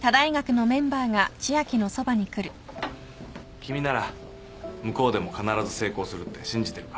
君なら向こうでも必ず成功するって信じてるから。